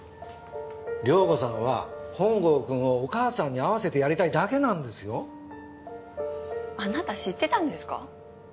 遼子さんは本郷くんをお母さんに会わせてやりたいだけなんですよ。あなた知ってたんですか？